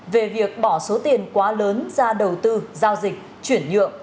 về việc bỏ số tiền quá lớn ra đầu tư giao dịch chuyển nhượng